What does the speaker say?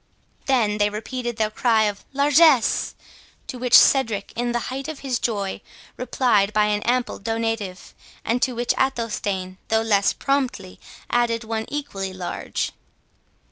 They then repeated their cry of Largesse, to which Cedric, in the height of his joy, replied by an ample donative, and to which Athelstane, though less promptly, added one equally large.